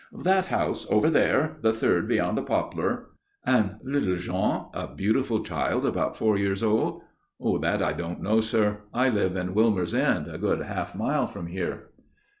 "That house over there the third beyond the poplar." "And little Jean a beautiful child about four years old?" "That I don't know, sir. I live at Wilmer's End, a good half mile from here."